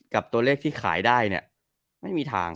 กับตัวเลขที่ขายได้เนี่ยไม่มีทาง